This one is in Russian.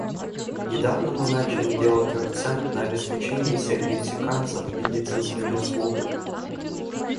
Недавно мы начали делать акцент на обеспечении всех мексиканцев медицинскими услугами.